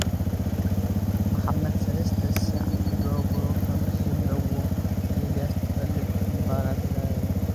መሓማድ፡ ሰለስተ ሳዕ ክገብሮ ኸም ዘለዎ ኣሊስ ትፈልጥ ምንባራ ተዛሪቡ።